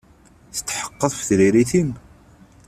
Tetḥeqqeḍ ɣef tririt-im?